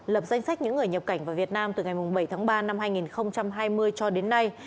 lập danh sách những người nhập cảnh vào việt nam từ ngày bảy tháng ba năm hai nghìn hai mươi cho đến nay